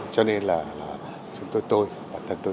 cho nên là chúng tôi tôi bản thân tôi